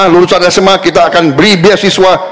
lulusan sma kita akan beri beasiswa